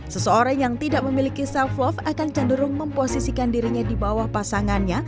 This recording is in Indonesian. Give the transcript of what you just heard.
seseorang yang tidak memiliki self love akan cenderung memposisikan dirinya di bawah pasangannya